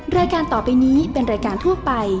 รายการต่อไปนี้เป็นรายการทั่วไป